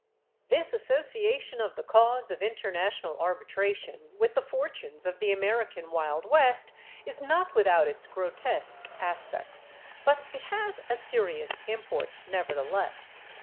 This association of the cause of international arbitration with the fortunes of the American Wild West is not without its grotesque aspects. But it has a serious import, nevertheless.